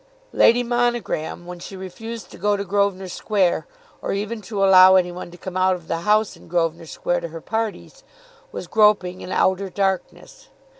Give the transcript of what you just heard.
Lady Monogram when she refused to go to Grosvenor Square, or even to allow any one to come out of the house in Grosvenor Square to her parties, was groping in outer darkness.